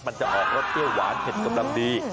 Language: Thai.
มันจะออกรสเตี้ยวหวานเผ็ดกระตำดี